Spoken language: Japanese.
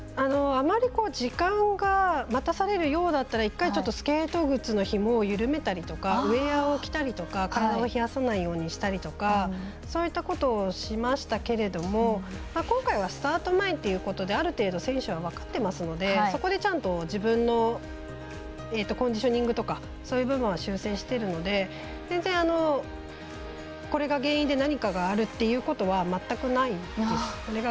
あまり、時間が待たされるようだったら１回、スケート靴のひもを緩めたりとかウェアを着たりとか体を冷やさないようにしたりとかそういったことをしましたが今回は、スタート前ということである程度、選手は分かってるのでそこでちゃんと自分のコンディショニングとかそういう部分は修正しているので全然、これが原因で何かがあるということは全くないです。